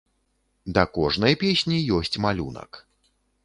Да кожнай песні ёсць малюнак.